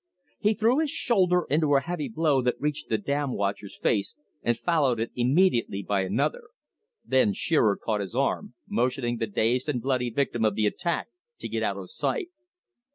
He threw his shoulder into a heavy blow that reached the dam watcher's face, and followed it immediately by another. Then Shearer caught his arm, motioning the dazed and bloody victim of the attack to get out of sight.